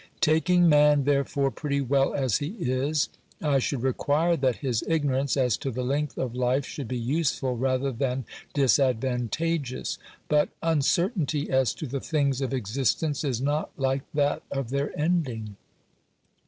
Taking man therefore pretty well as he is, I should require that his ignorance as to the length of life should be useful rather than disadvantageous ; but uncertainty as to the things of existence is not like that of their ending.